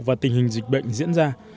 và tình hình dịch bệnh diễn ra